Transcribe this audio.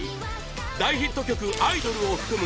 大ヒット曲「アイドル」を含む